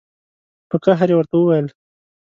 په قهر یې ورته وویل.